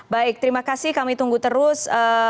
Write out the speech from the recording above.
baik terima kasih kami tunggu terus